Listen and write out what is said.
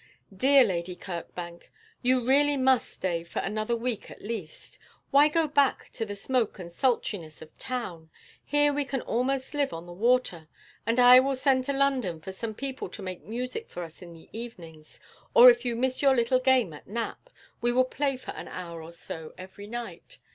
Dear Lady Kirkbank, you really must stay for another week at least. Why go back to the smoke and sultriness of town? Here we can almost live on the water; and I will send to London for some people to make music for us in the evenings, or if you miss your little game at "Nap," we will play for an hour or so every night.